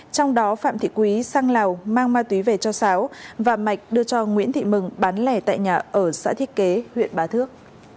trong đó phạm thị quý sang lào mang ma túy về cho sáo và mạch đưa cho nguyễn thị mừng bán lẻ tại nhà ở xã thiết kế huyện bá thước